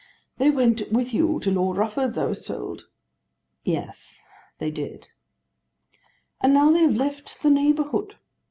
"They went with you to Lord Rufford's, I was told." "Yes; they did." "And now they have left the neighbourhood.